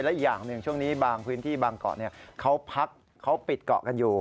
และอีกอย่างหนึ่งช่วงนี้บางพื้นที่บางเกาะเขาพักเขาปิดเกาะกันอยู่